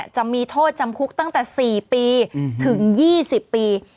จะมีโทษจำคุกตั้งแต่๔ปีถึง๒๐ปี